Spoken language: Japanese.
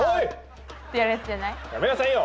やめなさいよ！